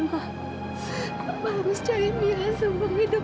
mama harus cari mira seumur hidup